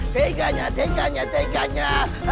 teganya teganya teganya